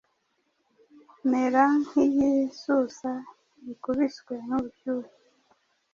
mera nk’igisusa gikubiswe n’ubushyuhe.